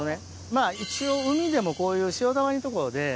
まぁ一応海でもこういう潮だまりのところで。